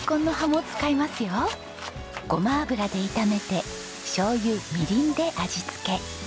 ごま油で炒めてしょうゆみりんで味付け。